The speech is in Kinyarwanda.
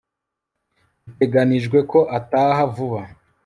biteganijwe ko ataha vuba